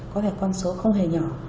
có thể con số không hề nhỏ